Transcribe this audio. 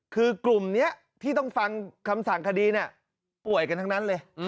คือกลุ่มนี้ที่ต้องฟังคำสั่งคดีป่วยกันทั้งนั้นเลย